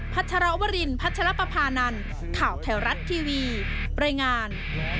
ชรวรินพัชรปภานันข่าวแถวรัฐทีวีรายงาน